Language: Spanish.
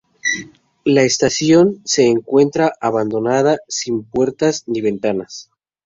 La estación se encuentra abandonada, sin puertas ni ventanas.